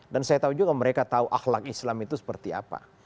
dan saya tahu juga mereka tahu akhlak islam itu seperti apa